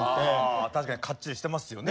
確かにかっちりしてますよね。